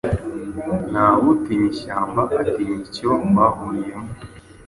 Ntawutinya ishyamba atinya icyo bahuriyemo.